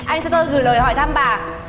anh cho tôi gửi lời hỏi thăm bà